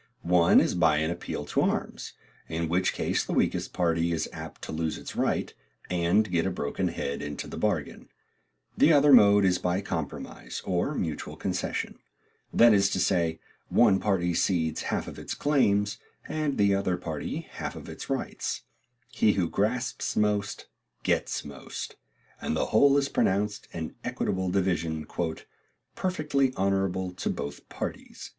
One is by an appeal to arms, in which case the weakest party is apt to lose its right, and get a broken head into the bargain; the other mode is by compromise, or mutual concession that is to say, one party cedes half of its claims, and the other party half of its rights; he who grasps most gets most, and the whole is pronounced an equitable division, "perfectly honorable to both parties."